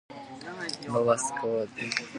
Lower scores represent a larger disability.